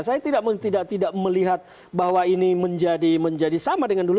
saya tidak melihat bahwa ini menjadi sama dengan dulu